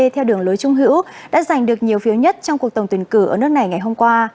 theo đường lối trung hữu đã giành được nhiều phiếu nhất trong cuộc tổng tuyển cử ở nước này ngày hôm qua